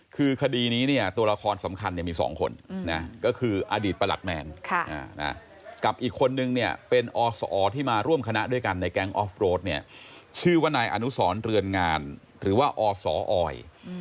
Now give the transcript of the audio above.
คือคดีนี้เนี่ยตัวละครสำคัญมี๒คนก็คืออดีตประหลัดแมนกับอีกคนนึงเนี่ยเป็นอศที่มาร่วมคณะด้วยกันในแก๊งออฟโรดเนี่ยชื่อว่านายอนุสรเรือนงานหรือว่าอสออย